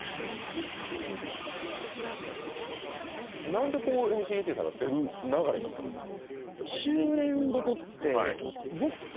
何でこうｍ．ｃ．Ａ・Ｔさんが出る流れになったんですか？